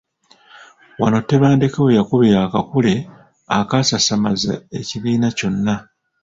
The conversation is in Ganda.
Wano Tebandeke we yakubira akakule akaasasamaza ekibiina kyonna.